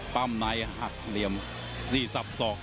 ปั้มในหักเหลี่ยม๔ทรัพย์๒